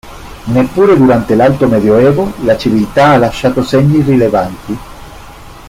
Neppure durante l'alto medioevo la civiltà ha lasciato segni rilevanti.